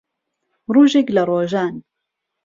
ڕۆژێک لە ڕۆژان